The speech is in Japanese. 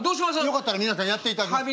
よかったら皆さんやっていただいて。